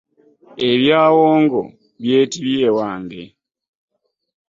Ebya wongo byetibye ewange .